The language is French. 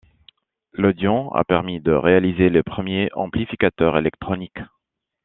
L'audion a permis de réaliser les premiers amplificateurs électroniques.